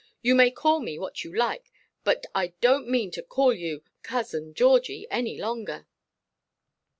You may call me what you like, but I donʼt mean to call you 'Cousin Georgie' any longer.